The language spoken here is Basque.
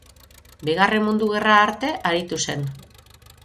Bigarren Mundu Gerra arte aritu zen.